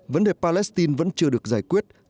vấn đề palestine vẫn chưa được giải quyết